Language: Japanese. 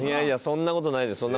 そんな事ないです。